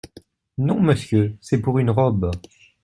Non, Monsieur ! c’est pour une robe.